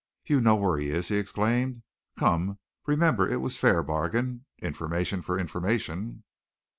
"You know where he is!" he exclaimed. "Come, remember it was a fair bargain. Information for information!"